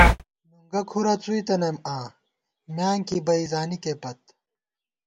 نُنگُہ کُھرَہ څُوئی تنَئیم آں ، میانکی بئ زانِکےپت